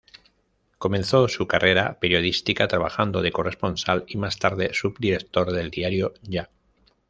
Comenzó su carrera periodística trabajando de corresponsal y más tarde subdirector del diario "Ya".